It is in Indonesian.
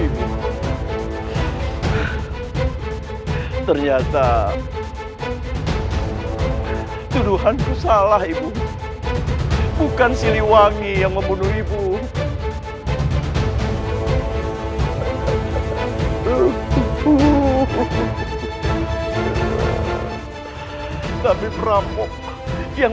berikanlah hamba ketenangan hati dan pikiran